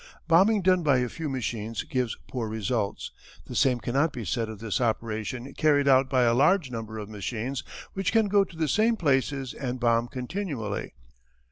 "Bombing done by a few machines gives poor results. The same cannot be said of this operation carried out by a large number of machines which can go to the same places and bomb continually.